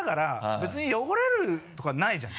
別に汚れるとかないじゃない。